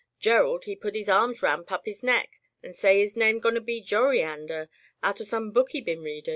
Gerald, he put his arms 'round puppy's neck an' say his name gon be Joriander, outer some book he been readin'.